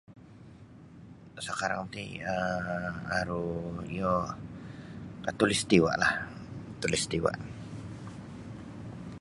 Sakarang ti um aru iyo khatulistiwa lah khatulistiwa.